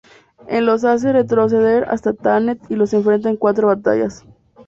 Él los hace retroceder hasta Thanet, y los enfrenta en cuatro batallas.